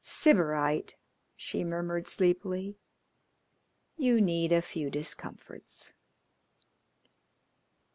"Sybarite!" she murmured sleepily. "You need a few discomforts."